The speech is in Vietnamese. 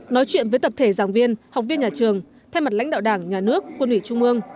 nói chuyện với tập thể giảng viên học viên nhà trường thay mặt lãnh đạo đảng nhà nước quân ủy trung ương